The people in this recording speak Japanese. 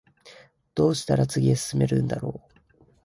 どうしたら次へ進めるんだろう